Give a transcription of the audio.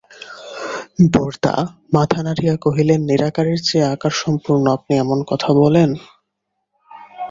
বরদা মাথা নাড়িয়া কহিলেন, নিরাকারের চেয়ে আকার সম্পূর্ণ আপনি এমন কথা বলেন?